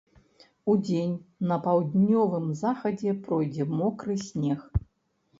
Удзень на паўднёвым захадзе пройдзе мокры снег.